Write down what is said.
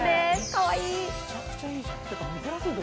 かわいい。